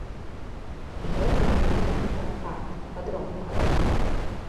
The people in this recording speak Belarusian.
І гэта менавіта кантрафакт, падробка.